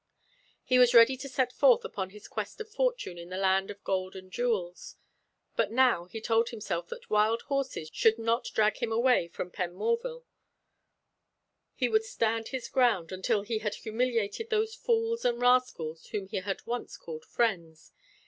He was ready to set forth upon his quest of fortune in the land of gold and jewels. But now he told himself that wild horses should not drag him away from Penmorval. He would stand his ground until he had humiliated those fools and rascals whom he had once called his friends.